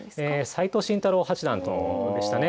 斎藤慎太郎八段とでしたね。